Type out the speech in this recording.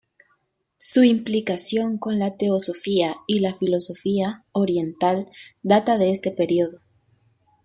Su implicación con la teosofía y la filosofía oriental data de este periodo.